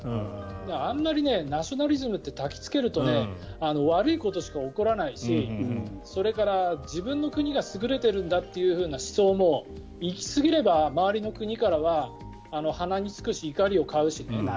あんまりナショナリズムってたきつけると悪いことしか起こらないしそれから、自分の国が優れているんだという思想も行き過ぎれば周りの国からは鼻につくし、怒りを買うしね。